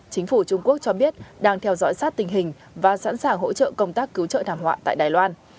chính phủ trung quốc cho biết đang theo dõi sát tình hình và sẵn sàng hỗ trợ công tác cứu trợ thảm họa tại đài loan